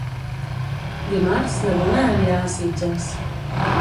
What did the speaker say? Dimarts na Duna anirà a Sitges.